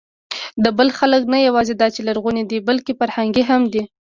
د بلخ خلک نه یواځې دا چې لرغوني دي، بلکې فرهنګي هم دي.